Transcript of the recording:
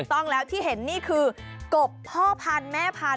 ต้องแล้วที่เห็นนี่คือกบพ่อพันธุ์แม่พันธ